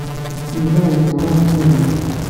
Yuba yesseḍlem iman-nnes.